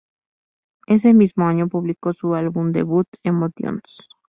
Ese mismo año publicó su álbum debut, "Emotions".